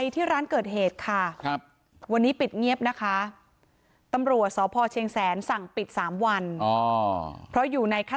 ถูกด้วยนะคะ